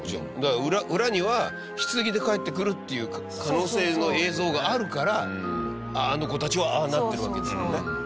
だから裏にはひつぎで帰ってくるっていう可能性の映像があるからあの子たちはああなってるわけですもんね。